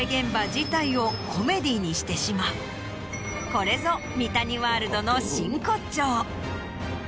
これぞ三谷ワールドの真骨頂。